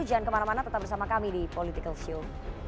jangan kemana mana tetap bersama kami di political show